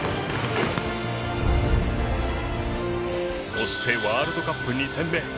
そしてワールドカップ２戦目。